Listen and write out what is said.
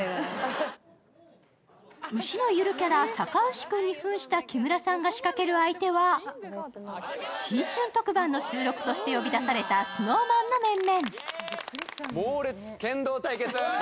牛のゆるキャラ、坂牛くんにふんした木村さんが仕掛ける相手は新春特番の収録として呼び出されたＳｎｏｗＭａｎの面々。